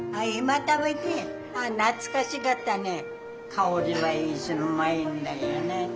香りはいいしうまいんだよね。